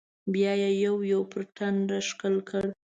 بيا يې يو يو پر ټنډه ښکل کړل.